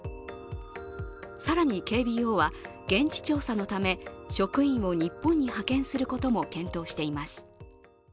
更に、ＫＢＯは現地調査のため、職員を日本に派遣することも検討しています。